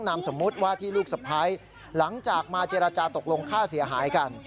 นามสมมุติว่าที่ลูกสะพ้ายหลังจากมาเจรจาตกลงค่าเสียหายกัน